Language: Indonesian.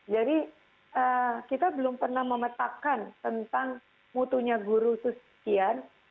jadi kita belum pernah memetakkan tentang mutunya guru itu sekian